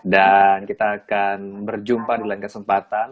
dan kita akan berjumpa dalam kesempatan